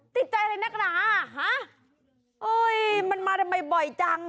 ติดใจอะไรนักหนาฮะเอ้ยมันมาทำไมบ่อยจัง